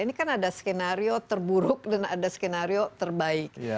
ini kan ada skenario terburuk dan ada skenario terbaik